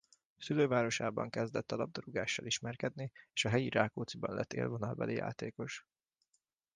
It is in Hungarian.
Szülővárosában kezdett a labdarúgással ismerkedni és a helyi Rákócziban lett élvonalbeli játékos.